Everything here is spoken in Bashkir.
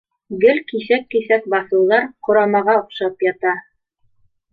Гел киҫәк-киҫәк баҫыуҙар ҡорамаға оҡшап ята